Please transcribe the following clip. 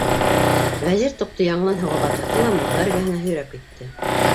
Вәзир тоҡто яңынан һыуға батырҙы ла мурҙа эргәһенә һөйрәп китте.